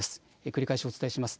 繰り返しお伝えします。